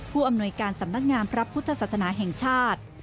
อำนวยการสำนักงามพระพุทธศาสนาแห่งชาติ